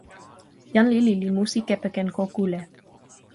jan lili li musi kepeken ko kule.